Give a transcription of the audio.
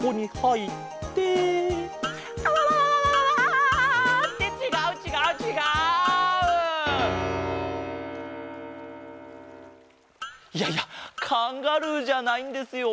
いやいやカンガルーじゃないんですよ